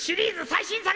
最新作。